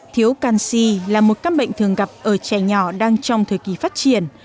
thiếu canxi là một căn bệnh thường gặp ở trẻ nhỏ đang trong thời kỳ phát triển